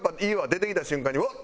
出てきた瞬間におっ！